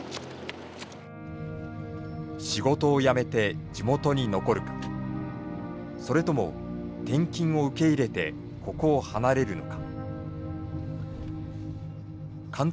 仕事を辞めて地元に残るかそれとも転勤を受け入れてここを離れるのか。